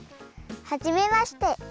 はじめまして。